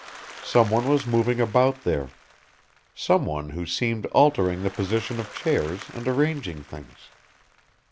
Someone was moving about there. Someone who seemed altering the position of chairs and arranging things.